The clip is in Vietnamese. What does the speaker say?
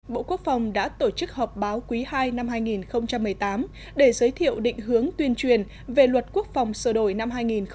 bộ quốc phòng đã tổ chức họp báo quý ii năm hai nghìn một mươi tám để giới thiệu định hướng tuyên truyền về luật quốc phòng sửa đổi năm hai nghìn một mươi tám